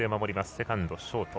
セカンド、ショート。